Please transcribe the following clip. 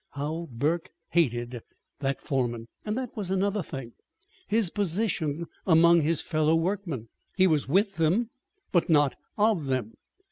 How Burke hated that foreman! And that was another thing his position among his fellow workmen. He was with them, but not of them.